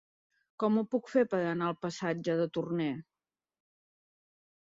Com ho puc fer per anar al passatge de Torné?